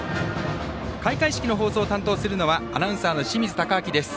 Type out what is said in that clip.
開会式の放送を担当するのはアナウンサーの清水敬亮です。